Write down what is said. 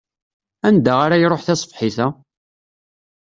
Anda ara iṛuḥ tasebḥit-a?